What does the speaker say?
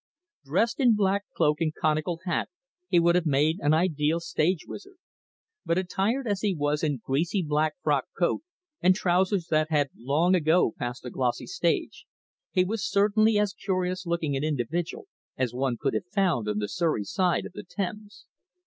Dressed in black cloak and conical hat he would have made an ideal stage wizard; but attired as he was in greasy black frock coat, and trousers that had long ago passed the glossy stage, he was certainly as curious looking an individual as one could have found on the Surrey side of the Thames.